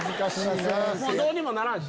もうどうにもならんし。